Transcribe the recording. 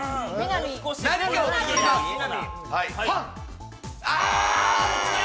パン！